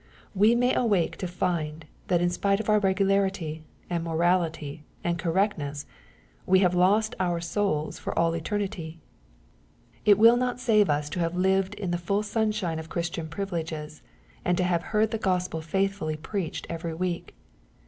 We may awake to find, that in spite of our regularity, and morality, and correct ness, we have lost our souls for all eternity It will not save us to have lived in the full sunshine of Christian privileges, and to have heard the Gospel faithfully preached every week.